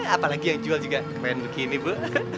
apalagi yang jual juga lumayan begini bu